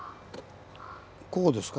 こうですか？